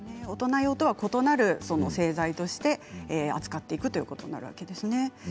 大人用とは異なる製剤として扱っていくということになるわけですね。